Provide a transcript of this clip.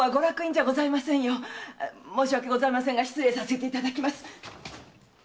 申し訳ございませんが失礼させていただきます。